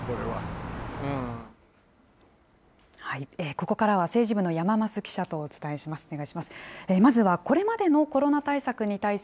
ここからは、政治部の山枡記者とお伝えします。